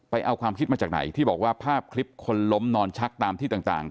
เอาความคิดมาจากไหนที่บอกว่าภาพคลิปคนล้มนอนชักตามที่ต่าง